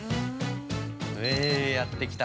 ◆やってきた。